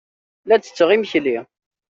La ttetteɣ imekli.